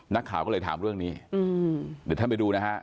นักข่าวก็เลยถามเรื่องนี้เดี๋ยวท่านไปดูนะฮะ